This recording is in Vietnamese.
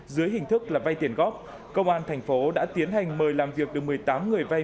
dưới hình thức là vay tiền góp công an thành phố đã tiến hành mời làm việc được một mươi tám người vay